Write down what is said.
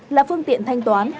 là phương tiện thanh toán